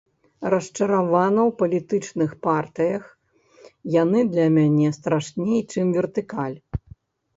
Расчаравана ў палітычных партыях, яны для мяне страшней, чым вертыкаль.